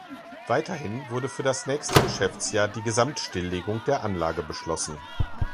Weiterhin wurde für das nächste Geschäftsjahr die Gesamtstilllegung der Anlage beschlossen.